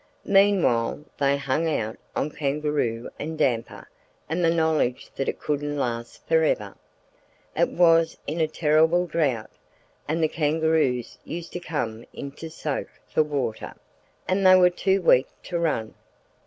Meanwhile, they hung out on kangaroo and damper and the knowledge that it couldn't last for ever. It was in a terrible drought, and the kangaroos used to come into the "Soak" for water, and they were too weak to run.